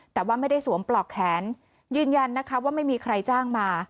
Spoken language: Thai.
แต่ว่าไม่ได้สวมปลอกแขนยืนยันนะคะว่าไม่มีใครจ้างมา